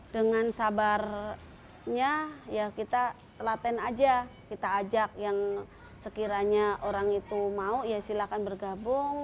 dengan sabarnya ya kita telaten aja kita ajak yang sekiranya orang itu mau ya silakan bergabung